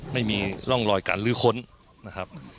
ไม่มีร่องรอยการลื้อค้นนะครับ